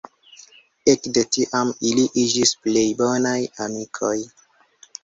Ekde tiam ili iĝis plej bonaj amikoj.